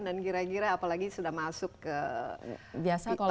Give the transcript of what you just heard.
dan kira kira apalagi sudah masuk ke putaran kedua